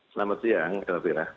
selamat siang kak wina